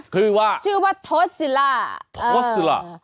คือว่าโทสิล่าโทสิล่า